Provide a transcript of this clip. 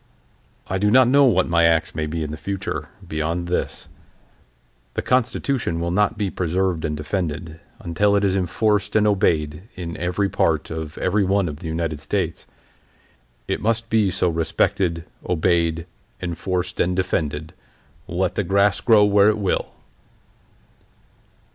"I do not know what my acts may be in the future, beyond this: The Constitution will not be preserved and defended until it is enforced and obeyed in every part of every one of the United States. It must be so respected, obeyed, enforced, and defended let the grass grow where it will!"